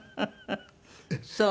そう。